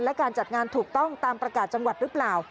และการจัดงานถูกต้องตามประกาศจังหวัดหรือเปล่า